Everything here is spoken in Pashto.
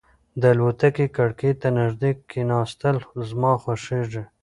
د الوتکې کړکۍ ته نږدې کېناستل زما خوښېږي.